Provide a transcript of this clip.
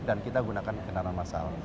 dan kita gunakan kendaraan massal